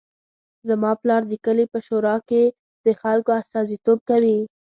زما پلار د کلي په شورا کې د خلکو استازیتوب کوي